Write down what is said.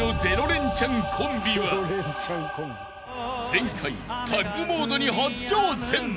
［前回タッグモードに初挑戦］